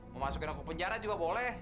mau masukin aku ke penjara juga boleh